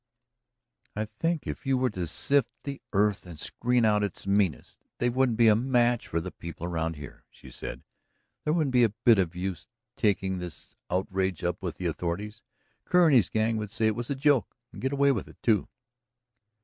"I think if you were to sift the earth and screen out its meanest, they wouldn't be a match for the people around here," she said. "There wouldn't be a bit of use taking this outrage up with the authorities; Kerr and his gang would say it was a joke, and get away with it, too."